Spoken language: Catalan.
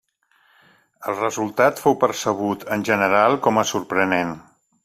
El resultat fou percebut, en general, com a sorprenent.